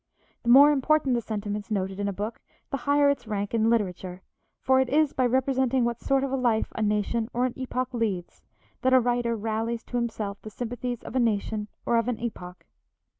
The more important the sentiments noted in a book the higher its rank in literature, for it is by representing what sort of a life a nation or an epoch leads, that a writer rallies to himself the sympathies of a nation or of an epoch.